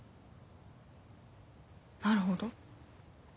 なるほど。